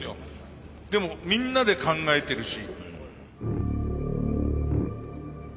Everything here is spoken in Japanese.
でもみんなで考えてるし。